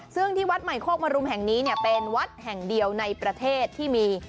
ซึ่งที่วัดใหม่โคกมรุมแห่งนี้เป็นวัดแห่งเดียวในประเทศที่มี